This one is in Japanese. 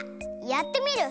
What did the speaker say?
やってみる！